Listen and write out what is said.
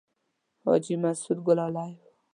حاجي مسعود ګلالی و.